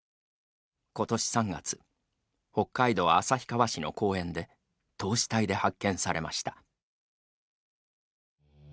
ことし３月北海道旭川市の公園で凍死体で発見されました。